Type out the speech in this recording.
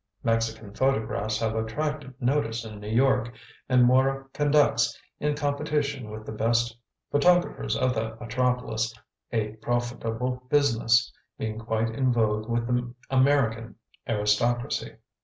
Mexican photographs have attracted notice in New York, and Mora conducts, in competition with the best photographers of that metropolis, a profitable business, being quite in vogue with the American aristocracy.